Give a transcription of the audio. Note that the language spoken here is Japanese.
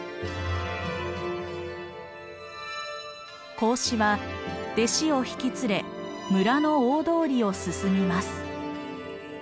孔子は弟子を引き連れ村の大通りを進みます。